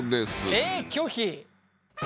えっ拒否？